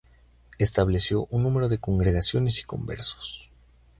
Estableció un número de congregaciones y conversos.